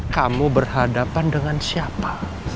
kamu berhadapan dengan siapa